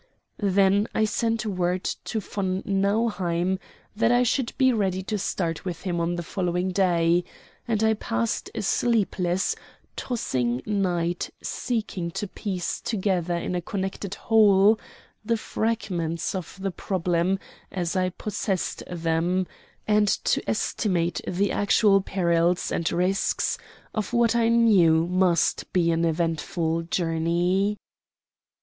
Then I sent word to von Nauheim that I should be ready to start with him on the following day, and I passed a sleepless, tossing night seeking to piece together in a connected whole the fragments of the problem as I possessed them, and to estimate the actual perils and risks of what I knew must be an eventful journey.